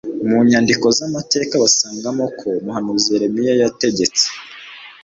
mu nyandiko z'amateka, basangamo ko umuhanuzi yeremiya yategetse